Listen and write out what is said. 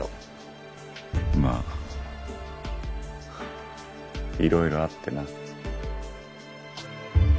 まあいろいろあってな。